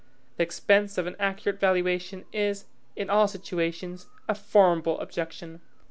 The expense of an accurate valuation is, in all situations, a formidable objection.